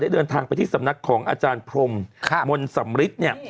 ได้เดินทางไปที่สำนักของอาจารย์พรมมณสำริฐ